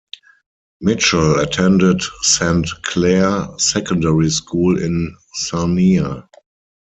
Mitchell attended Saint Clair Secondary School in Sarnia.